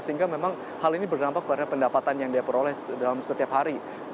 sehingga memang hal ini berdampak pada pendapatan yang dia peroleh dalam setiap hari